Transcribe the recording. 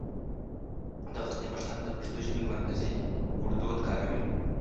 د غزني پښتانه د پښتو ژبې مرکزي ګړدود کاروي.